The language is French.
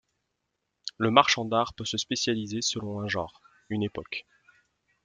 Le marchand d'art peut se spécialiser selon un genre, une époque.